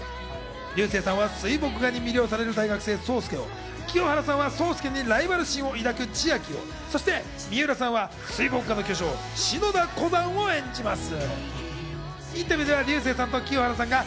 流星さんは水墨画に魅了される大学生・霜介を清原さんは霜介にライバル心を抱く千瑛を、そして三浦さんは水墨画の巨匠・篠田湖山を演じます。